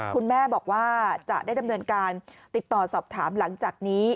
คุณแม่บอกว่าจะได้ดำเนินการติดต่อสอบถามหลังจากนี้